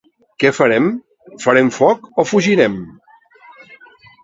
Què farem? —Farem foc o fugirem?